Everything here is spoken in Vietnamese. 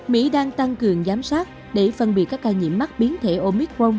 mỹ đang tăng cường giám sát để phân biệt các ca nhiễm mắc biến thể omicron